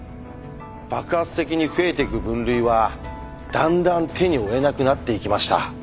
爆発的に増えていく分類はだんだん手に負えなくなっていきました。